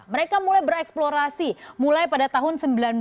mereka mulai bereksplorasi mulai pada tahun seribu sembilan ratus sembilan puluh